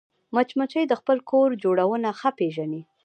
مچمچۍ د خپل کور جوړونه ښه پېژني